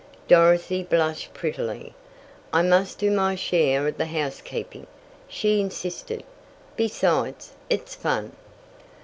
Dorothy blushed prettily. "I must do my share of the housekeeping," she insisted. "Besides it's fun."